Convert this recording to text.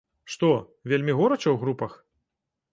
Што, вельмі горача ў групах?